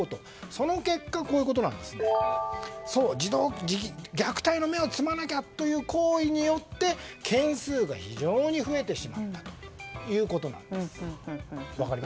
その結果、児童虐待の芽を摘まなきゃという行為によって件数が非常に増えてしまったということです。